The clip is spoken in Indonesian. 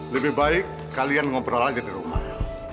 lebih baik kalian ngobrol aja di rumah